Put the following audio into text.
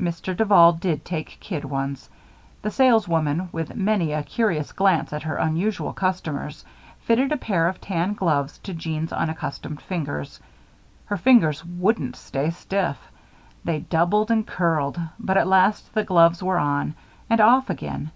Mr. Duval did take kid ones. The sales woman, with many a curious glance at her unusual customers, fitted a pair of tan gloves to Jeanne's unaccustomed fingers. Her fingers wouldn't stay stiff. They doubled and curled; but at last the gloves were on and off again.